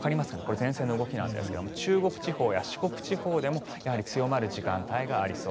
前線の動きなんですが中国地方や四国地方でもやはり強まる時間帯がありそう。